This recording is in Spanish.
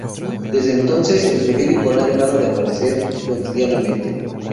Desde entonces, el periódico no ha dejado de aparecer cotidianamente.